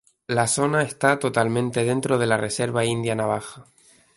La zona está totalmente dentro de la Reserva India Navaja.